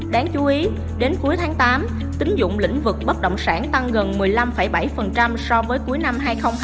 đáng chú ý đến cuối tháng tám tính dụng lĩnh vực bất động sản tăng gần một mươi năm bảy so với cuối năm hai nghìn một mươi tám